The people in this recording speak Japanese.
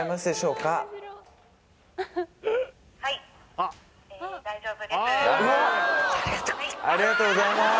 うわっありがとうございます